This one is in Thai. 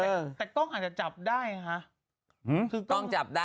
แต่กล้องอาจจะจับได้นะฮะ